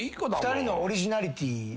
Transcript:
２人のオリジナリティーとしてね。